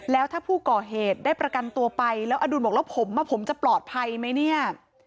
แล้วถ้าผู้ก่อเหตุได้ประกันตัวไปแล้วอดุลบอกแล้วผมจะปลอดภัยไหมเนี่ย